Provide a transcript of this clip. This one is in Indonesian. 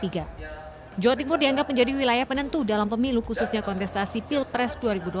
jawa timur dianggap menjadi wilayah penentu dalam pemilu khususnya kontestasi pilpres dua ribu dua puluh